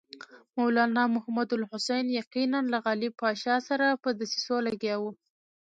مولنا محمود الحسن یقیناً له غالب پاشا سره په دسیسو لګیا وو.